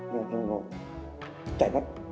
rồi nó chạy mất